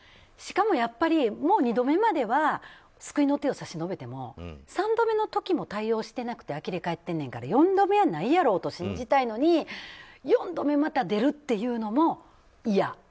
しかも、２度目までは救いの手を差し伸べても３度目の時も対応してなくてあきれ返ってんねんから４度目はないやろうと信じたいのに、４度目また出るっていうのも嫌。